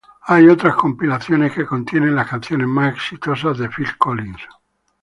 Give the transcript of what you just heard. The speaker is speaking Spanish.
Hay otras compilaciones que contienen las canciones más exitosas de Phil Collins.